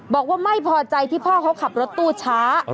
บอกว่าไม่พอใจที่พ่อเขาขับรถตู้ช้า